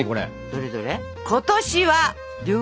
どれどれ？